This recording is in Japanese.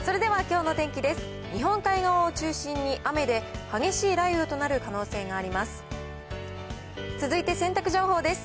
日本海側を中心に雨で激しい雷雨となる可能性があります。